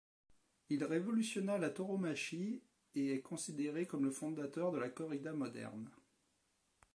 Il révolutionna la tauromachie et est considéré comme le fondateur de la corrida moderne.